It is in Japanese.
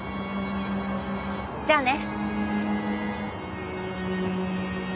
じゃあね。